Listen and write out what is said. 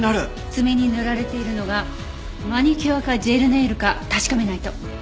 爪に塗られているのがマニキュアかジェルネイルか確かめないと。